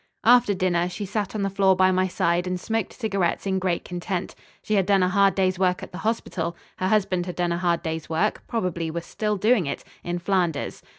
After dinner she sat on the floor by my side and smoked cigarettes in great content. She had done a hard day's work at the hospital; her husband had done a hard day's work probably was still doing it in Flanders.